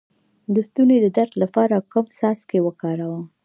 د ستوني د درد لپاره کوم څاڅکي وکاروم؟